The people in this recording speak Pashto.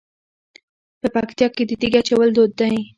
په پکتیا کې د تیږې اچول دود دی.